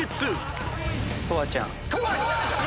トワちゃん。